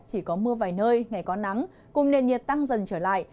chỉ có mưa vài nơi ngày có nắng cùng nền nhiệt tăng dần trở lại